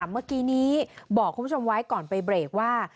เมื่อกี้นี้บอกคุณผู้ชมไว้ก่อนไปเบรกว่า